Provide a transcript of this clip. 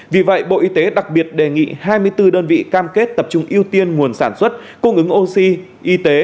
vì vậy bộ y tế đặc biệt đề nghị hai mươi bốn đơn vị cam kết tập trung ưu tiên nguồn sản xuất cung ứng oxy y tế